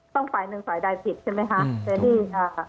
ต้องฝ่ายหนึ่งสายดายผิดใช่ไหมคะ